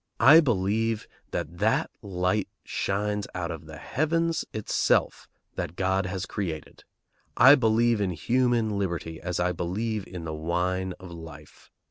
I believe that that light shines out of the heavens itself that God has created. I believe in human liberty as I believe in the wine of life.